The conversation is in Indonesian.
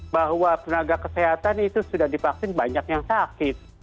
bahwa peneraga kesehatan itu sudah dipaksin banyak yang sakit